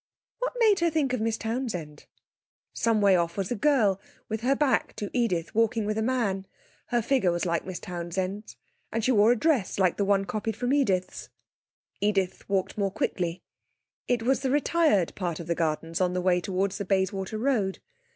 What made her think of Miss Townsend? Some way off was a girl, with her back to Edith, walking with a man. Her figure was like Miss Townsend's, and she wore a dress like the one copied from Edith's. Edith walked more quickly, it was the retired part of the gardens on the way towards the Bayswater Road.